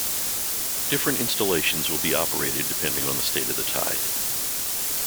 Different installations will be operated depending on the state of the tide.